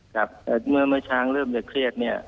ครับเมื่อเมื่อช้างเริ่มจะเครียด